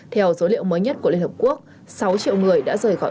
theo dấu liệu mới nhất của liên hợp quốc sáu triệu người đã rời khỏi ukraine